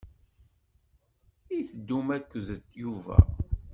I teddum akked Yuba?